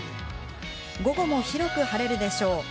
午後も広く晴れるでしょう。